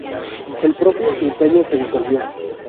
El propio Imperio se disolvió.